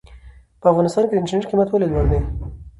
په افغانستان کې د انټرنېټ قيمت ولې لوړ دی ؟